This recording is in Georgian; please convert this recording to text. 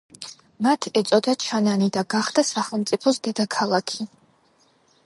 მათ ეწოდა ჩანანი და გახდა სახელმწიფოს დედაქალაქი.